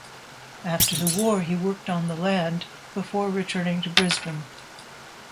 After the war he worked on the land before returning to Brisbane.